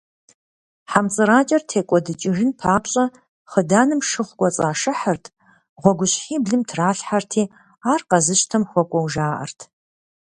Хьэмцӏыракӏэр текӏуэдыкӏыжын папщӏэ, хъыданым шыгъу кӏуэцӏашыхьырт, гъуэгущхьиблым тралъхьэрти, ар къэзыщтэм хуэкӏуэу жаӏэрт.